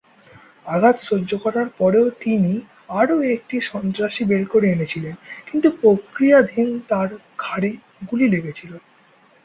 আঘাত সহ্য করার পরেও তিনি আরও একটি সন্ত্রাসী বের করে এনেছিলেন, কিন্তু প্রক্রিয়াধীন তাঁর ঘাড়ে গুলি লেগেছিল।